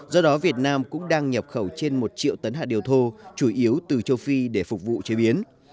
do đó việt nam cũng đang nhập khẩu trên một triệu tấn hạt điều thô chủ yếu từ châu phi để phục vụ chế biến